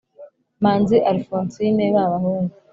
Manzi Alphonsine b abahungu